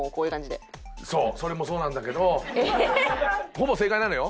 ほぼ正解なのよ。